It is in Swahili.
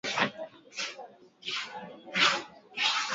elfu moja mia tisa sitini bei za kakao zilishuka sana na hapo alikosa pesa